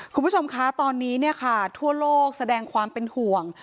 คุณผู้ชมคะตอนนี้ทั่วโลกแสดงความเป็นห่วง